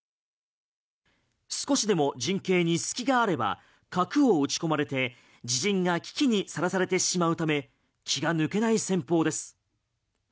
少しでも陣形に隙があれば角を打ち込まれて自陣が危機にさらされてしまうため気が抜けない戦法です。